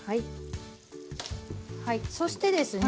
そしてですね